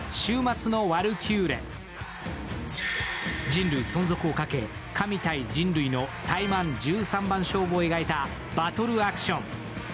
人類存続をかけ神対人類のタイマン１３番勝負を描いたバトルアクション。